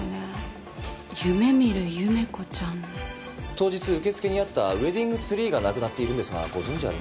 当日受付にあったウェディングツリーがなくなっているんですがご存じありませんか？